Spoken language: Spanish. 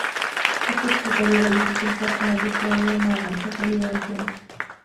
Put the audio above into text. Esto explicaría la dificultad en la búsqueda de una aguja caída al suelo.